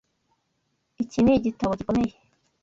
Iki ni igitabo gikomeye.